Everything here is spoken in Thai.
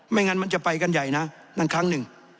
งั้นมันจะไปกันใหญ่นะนั่นครั้งหนึ่ง